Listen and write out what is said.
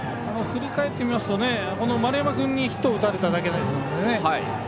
振り返ってみますと丸山君にヒットを打たれただけなので。